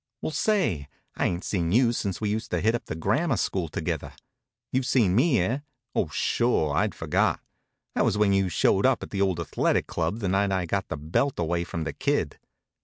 Well say, I ain't seen you since we used to hit up the grammar school together. You've seen me, eh? Oh, sure! I'd forgot. That was when you showed up at the old Athletic club the night I got the belt away from the Kid.